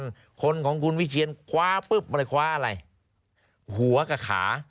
แล้วก็มีแผนที่เขตรักษาพันธุ์สัตว์ป่า